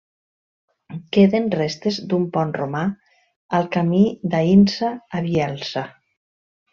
Queden restes d'un pont romà al camí d'Aïnsa a Bielsa.